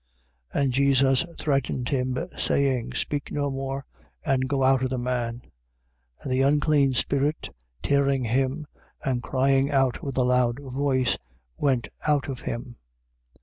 1:25. And Jesus threatened him, saying: Speak no more, and go out of the man. 1:26. And the unclean spirit, tearing him and crying out with a loud voice, went out of him.